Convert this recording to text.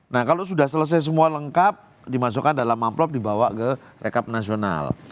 nah kalau sudah selesai semua lengkap dimasukkan dalam amplop dibawa ke rekap nasional